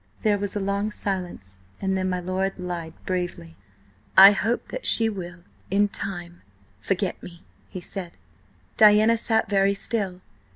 There was a long silence, and then my lord lied bravely. "I hope that she will–in time–forget me," he said. Diana sat very still.